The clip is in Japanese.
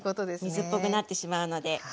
水っぽくなってしまうので。